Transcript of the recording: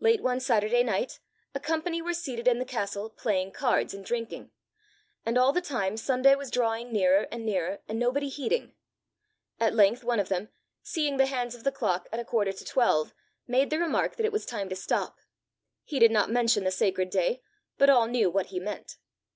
Late one Saturday night, a company were seated in the castle, playing cards, and drinking; and all the time Sunday was drawing nearer and nearer, and nobody heeding. At length one of them, seeing the hands of the clock at a quarter to twelve, made the remark that it was time to stop. He did not mention the sacred day, but all knew what he meant.